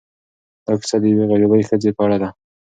دا کيسه د یوې غریبې ښځې په اړه ده.